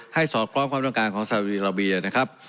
ให้สอดพร้อมความต้องการของเศรษฐรีระเบียนะครับ